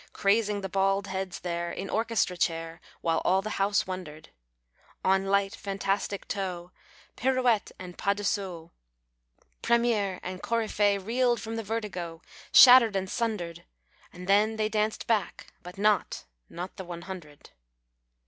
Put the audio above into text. Crazing the bald heads there, In orchestra chair, while All the house wondered. On light, fantastic toe, Pirouette and pas de Seaux, Premier and coryphee Reeled from the vertigo. Shattered and sundered. And then they danced back. But not — not the one hundred.